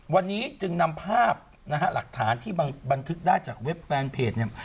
วันนี้จึงนำภาพนะฮะหลักฐานที่บันทึกได้จากเว็บแฟนเพจเนี่ย